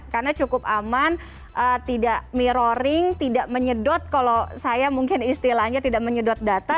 karena cukup aman tidak mirroring tidak menyedot kalau saya mungkin istilahnya tidak menyedot data